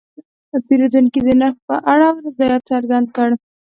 پیرودونکی د نرخ په اړه رضایت څرګند کړ.